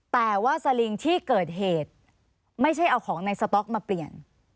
แต่ว่าสลิงที่เกิดเหตุไม่ใช่เอาของในสต๊อกมาเปลี่ยน